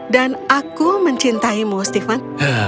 dan aku mencintaimu stephen